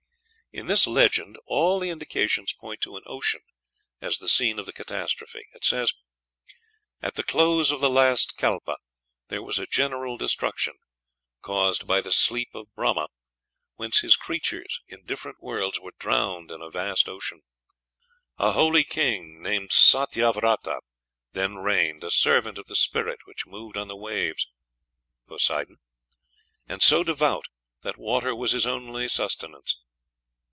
In this legend all the indications point to an ocean as the scene of the catastrophe. It says: "At the close of the last calpa there was a general destruction, caused by the sleep of Brahma, whence his creatures, in different worlds, were drowned in a vast ocean.... A holy king, named Satyavrata, then reigned, a servant of the spirit which moved on the waves" (Poseidon?), "and so devout that water was his only sustenance....